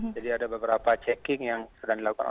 jadi ada beberapa ceking yang sedang dilakukan